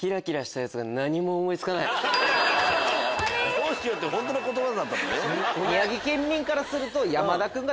「どうしよう」って本当の言葉だったのね。